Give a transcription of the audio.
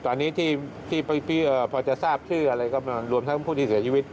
ตอนนี้ที่พอจะทราบชื่ออะไรก็รวมทั้งผู้ที่เสียชีวิต